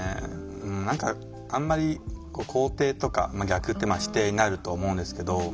何かあんまり肯定とか逆って否定になると思うんですけど。